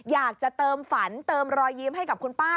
อยากจะเติมฝันเติมรอยยิ้มให้กับคุณป้า